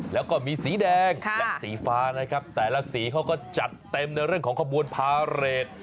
แล้วก็มีสีแดงและสีฟ้านะครับแต่ละสีเขาก็จัดเต็มในเรื่องของขบวนพาเรท